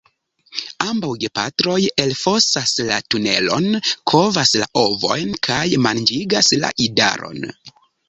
Ambaŭ gepatroj elfosas la tunelon, kovas la ovojn kaj manĝigas la idaron.